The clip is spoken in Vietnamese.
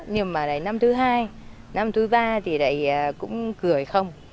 nhưng mà năm thứ hai năm thứ ba thì cũng gửi không